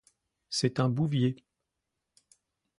C’est un bouvier.